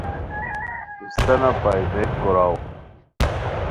استانہ پائے درئیک کوراؤ